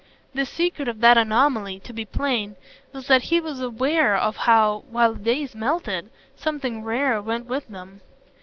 The secret of that anomaly, to be plain, was that he was aware of how, while the days melted, something rare went with them.